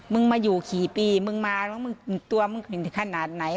มึงมาอยู่กี่ปีมึงมาแล้วมึงตัวมึงถึงขนาดไหน